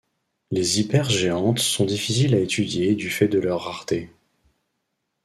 Les hypergéantes sont difficiles à étudier du fait de leur rareté.